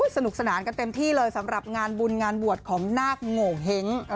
สนุกสนานกันเต็มที่เลยสำหรับงานบุญงานบวชของนาคโงเห้ง